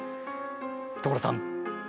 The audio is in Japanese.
所さん！